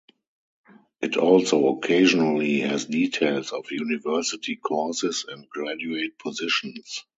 It also occasionally has details of university courses and graduate positions.